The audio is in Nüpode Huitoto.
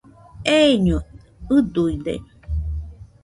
Eiño ɨduide